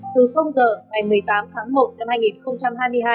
từ giờ ngày một mươi tám tháng một năm hai nghìn hai mươi hai